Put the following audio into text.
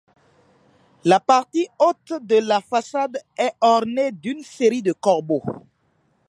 La partie haute de la façade est ornée d'une série de corbeaux.